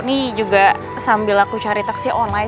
ini juga sambil aku cari taksi online